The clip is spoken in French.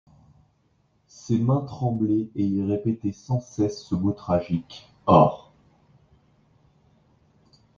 Ses mains tremblaient et il répétait sans cesse ce mot tragique: OR.